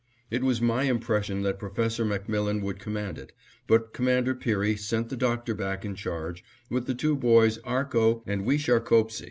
It was my impression that Professor MacMillan would command it, but Commander Peary sent the Doctor back in charge, with the two boys Arco and Wesharkoupsi.